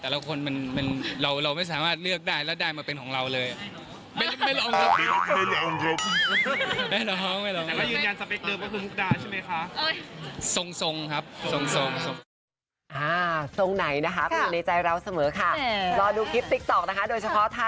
เราไม่สามารถเลือกได้เราได้มาเป็นของเราเลย